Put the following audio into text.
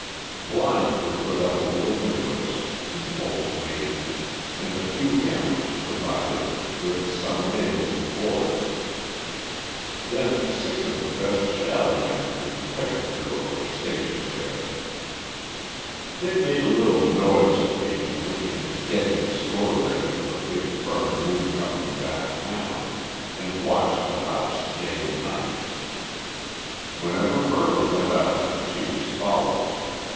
Blinds were put up over the windows, peep holes made, and a few hammers provided, with some nails and boards. Then six of the best "shadow men" in the Detective Bureau were stationed there. They made a little noise occasionally, in "getting the store ready for a big firm moving up from downtown," and watched the house day and night. Whenever Myrtle went out she was followed.